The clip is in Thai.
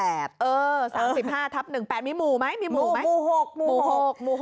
เออ๓๕ทับ๑๘มีหมู่ไหมหมู่๖